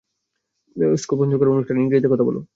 School sponsor করা অনুষ্ঠানে, ইংরেজীতে কথা বলো!